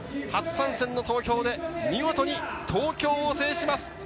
初参戦の東京で見事に東京を制します。